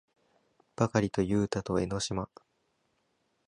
ばかりとゆうたと江の島